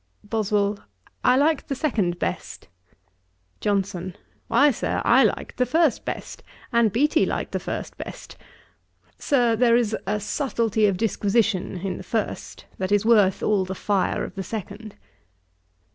BOSWELL. 'I liked the second best.' JOHNSON. 'Why, Sir, I liked the first best; and Beattie liked the first best. Sir, there is a subtlety of disquisition in the first, that is worth all the fire of the second.'